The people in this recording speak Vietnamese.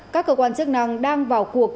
các cơ quan chức năng đang vào cuộc